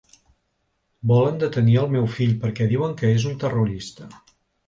Volen detenir el meu fill perquè diuen que és un terrorista.